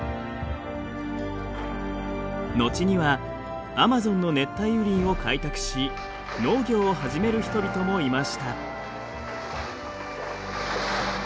後にはアマゾンの熱帯雨林を開拓し農業を始める人々もいました。